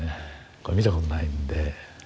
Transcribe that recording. これ見たことないんで。